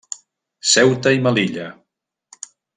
Ceuta i Melilla.